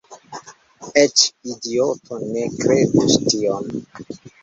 Eĉ idioto ne kredus tion."